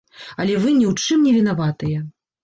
Але вы ні ў чым не вінаватыя.